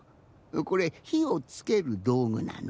これひをつけるどうぐなの。